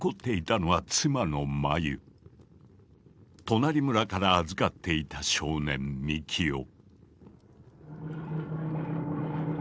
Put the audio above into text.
隣村から預かっていた少年幹雄。